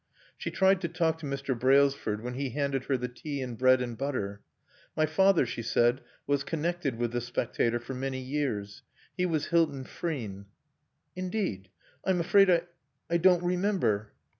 She tried to talk to Mr. Brailsford when he handed her the tea and bread and butter. "My father," she said, "was connected with The Spectator for many years. He was Hilton Frean." "Indeed? I'm afraid I don't remember."